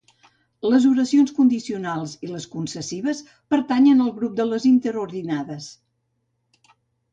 Les oracions condicionals i les concessives pertanyen al grup de les interordinades.